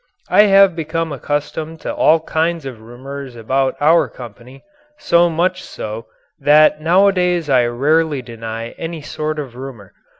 I have become accustomed to all kinds of rumours about our company so much so, that nowadays I rarely deny any sort of rumour.